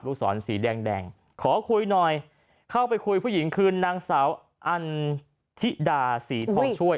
ลูกศรสีแดงแดงขอคุยหน่อยเข้าไปคุยผู้หญิงคือนางสาวอันธิดาศรีทองช่วย